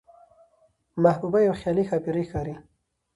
محبوبه يوه خيالي ښاپېرۍ ښکاري،